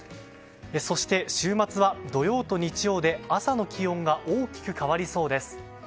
そして週末は土曜と日曜で朝の気温が大きく変わりそうです。